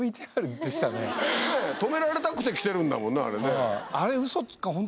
止められたくて来てるんだもんねあれね。